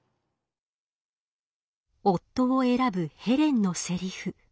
夫を選ぶヘレンのセリフ。